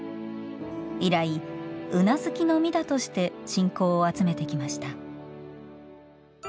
以来、「うなずきの弥陀」として信仰を集めてきました。